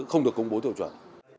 không được công bố tiểu chuẩn